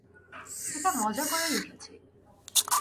এটা মজা করে লিখেছি।